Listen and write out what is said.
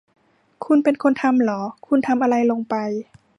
คุณเป็นคนทำหรอ ? คุณทำอะไรลงไป ?